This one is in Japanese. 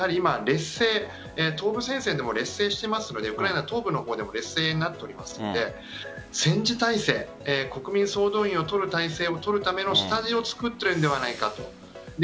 東部戦線でも劣勢していますのでウクライナ東部でも劣勢になっていますので戦時体制、国民総動員をとる態勢を取るための下地を作っているんではないかと。